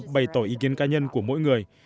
bày tỏ ý kiến cá nhân của mỗi người